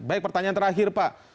baik pertanyaan terakhir pak